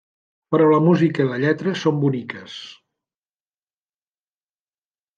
Però la música i la lletra són boniques.